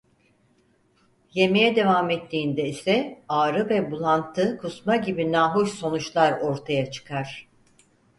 Yemeye devam ettiğinde ise ağrı ve bulantı-kusma gibi nahoş sonuçlar ortaya çıkar.